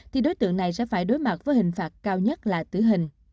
thì đối tượng này sẽ phải đối mặt với hình phạt cao nhất là tử hình